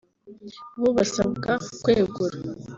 bo basabwa kwegura